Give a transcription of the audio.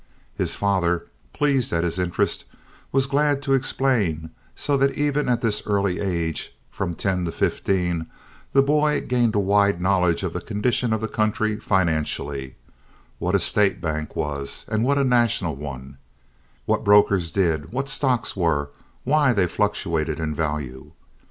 His father, pleased at his interest, was glad to explain so that even at this early age—from ten to fifteen—the boy gained a wide knowledge of the condition of the country financially—what a State bank was and what a national one; what brokers did; what stocks were, and why they fluctuated in value.